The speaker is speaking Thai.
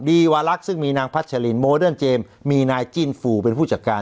ดีวาลักษณ์ซึ่งมีนางพัชลินโมเดิร์นเจมส์มีนายจิ้นฟูเป็นผู้จัดการ